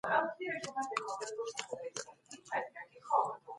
هغه کسان چې کمزوری معافیت لري ډېر ژر ناروغه کیږي.